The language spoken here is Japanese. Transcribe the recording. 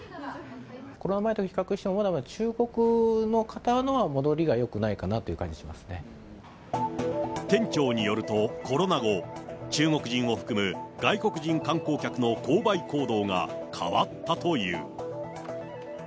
コロナ前と比較してもまだまだ中国の方の戻りがよくないかな店長によると、コロナ後、中国人を含む外国人観光客の購買行動が変わったという。